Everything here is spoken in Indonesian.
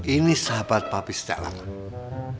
ini sahabat papi setiap lapan